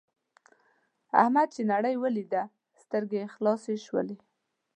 احمد چې نړۍ ولیدله سترګې یې خلاصې شولې.